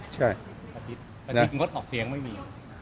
ใช่ปฏิษฐ์ปฏิษฐ์งดออกเสียงไม่มี